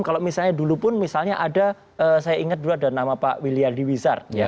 kalau misalnya dulu pun misalnya ada saya ingat dulu ada nama pak willy wizar